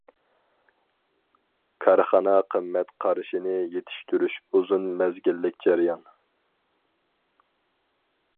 كارخانا قىممەت قارىشىنى يېتىشتۈرۈش ئۇزۇن مەزگىللىك جەريان.